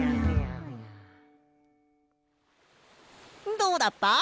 どうだった？